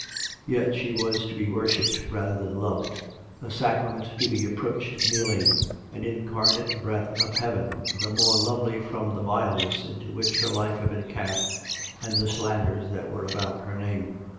Yet she was to be worshipped, rather than loved — a sacrament to be approached kneeling, an incarnate breath of heaven, the more lovely from the vileness into which her life had been cast and the slanders that were about her name.